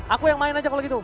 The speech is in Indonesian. aku yang main aja kalau gitu